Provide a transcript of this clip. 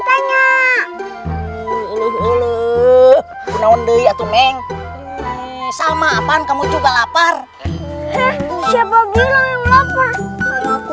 menanggung ya tumeng sama apaan kamu juga lapar siapa bilang yang lapar aku